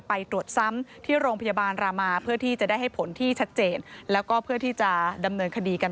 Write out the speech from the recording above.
ไปตรวจซ้ำที่โรงพยาบาลลามาเพื่อที่จะได้ให้ผลที่ชัดเจน